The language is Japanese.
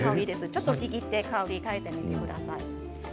ちょっとちぎって香りを嗅いでみてください。